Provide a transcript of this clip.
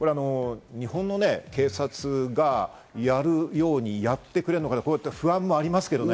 日本の警察がやるようにやってくれるのかという不安もありますね。